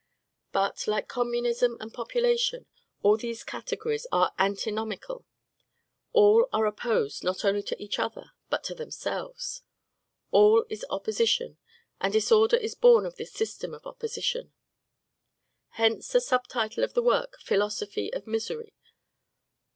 But, like communism and population, all these categories are antinomical; all are opposed, not only to each other, but to themselves. All is opposition, and disorder is born of this system of opposition. Hence, the sub title of the work, "Philosophy of Misery."